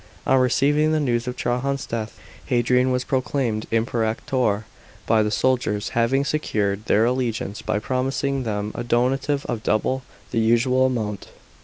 On receiving the news of Trajan's death, Hadrian was proclaimed Imper ator by the soldiers, having secured their allegiance by pro mising them a donative of double the usual amount.